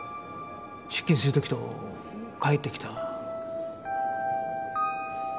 出勤する時と帰ってきた。